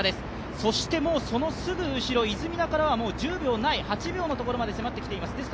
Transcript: そしてそのすぐ後ろ、出水田から８秒のところまで迫ってきています。